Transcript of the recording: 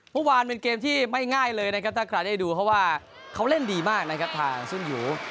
เมื่อวานเป็นเกมที่ไม่ง่ายเลยนะครับถ้าใครได้ดูเพราะว่าเขาเล่นดีมากนะครับทางซุ่นหยู